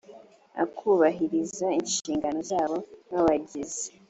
a kubahiriza inshingano zabo nk abagize